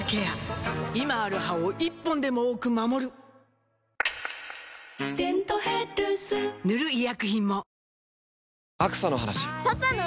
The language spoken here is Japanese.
今ある歯を１本でも多く守る「デントヘルス」塗る医薬品も